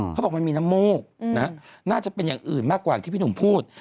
เขาบอกมันมีน้ำมูกน่าจะเป็นอย่างอื่นมากกว่าที่พี่หนุ่มพูด